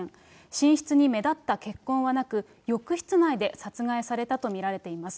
寝室に目立った血痕はなく、浴室内で殺害されたと見られています。